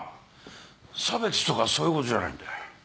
差別とかそういうことじゃないんだ。